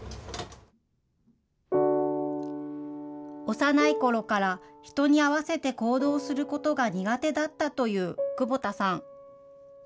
幼いころから、人に合わせて行動することが苦手だったという久保田さん。